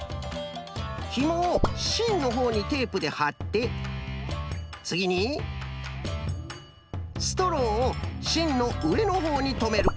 ひもをしんのほうにテープではってつぎにストローをしんのうえのほうにとめる。